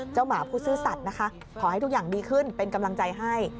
หมาผู้ซื่อสัตว์นะคะขอให้ทุกอย่างดีขึ้นเป็นกำลังใจให้